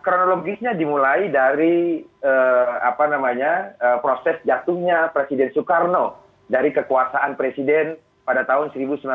kronologisnya dimulai dari proses jatuhnya presiden soekarno dari kekuasaan presiden pada tahun seribu sembilan ratus sembilan puluh